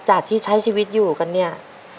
ที่ใช้ชีวิตอยู่กันเนี่ย